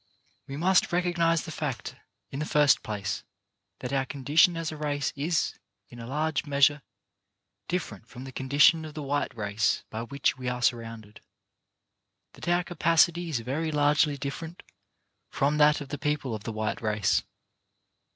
We must recognize the fact, in the first place, that our condition as a race is, in a large measure, different from the condition of the white race by which we are surrounded; that our capacity is very largely different from that of the people of the white race.